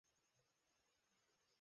কথা শুনে মনে হচ্ছে তুমি ওকে দোষী ভাবছ।